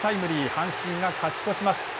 阪神が勝ち越します。